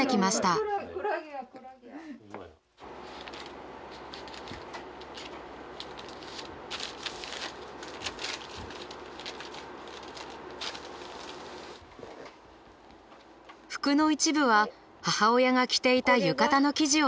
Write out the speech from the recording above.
服の一部は母親が着ていた浴衣の生地を使うことにしました。